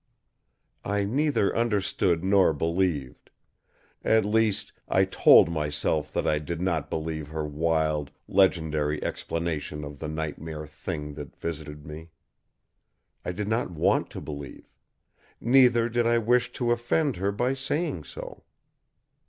I neither understood nor believed. At least, I told myself that I did not believe her wild, legendary explanation of the nightmare Thing that visited me. I did not want to believe. Neither did I wish to offend her by saying so!